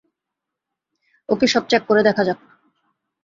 ওকে, সব চেক করে দেখা যাক।